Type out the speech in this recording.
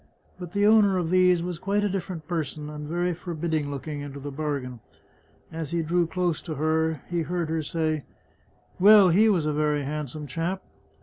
But the owner of these was quite a different person, and very forbidding looking into the bargain. As he drew close to her he heard her say, " Well, he was a very handsome chap."